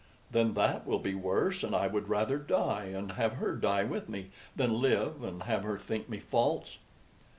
"Then that will be worse, and I would rather die, and have her die with me, than live and have her think me false."